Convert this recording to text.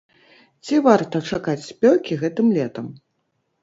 Ці варта чакаць спёкі гэтым летам?